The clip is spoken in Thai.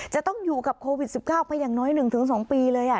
จะต้องอยู่กับโควิดสิบเก้าไปอย่างน้อยหนึ่งถึงสองปีเลยอ่ะ